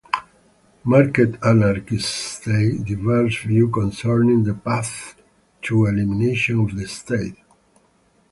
Market anarchists state diverse views concerning the path to elimination of the state.